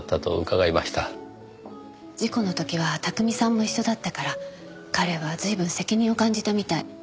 事故の時は巧さんも一緒だったから彼は随分責任を感じたみたい。